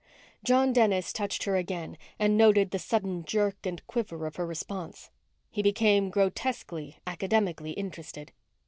John Dennis touched her again and noted the sudden jerk and quiver of her response. He became grotesquely, academically interested.